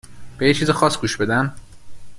به یه چیز خاص گوش بدن؟